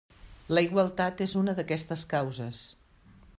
La igualtat és una d'aquestes causes.